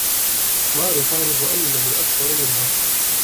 ماري تعرف أنني أكبر منها.